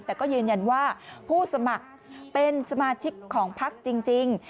แต่ก็ยืนยันว่าผู้สมัครเป็นสมาชิกของพักจริง